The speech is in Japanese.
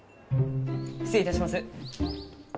失礼いたします。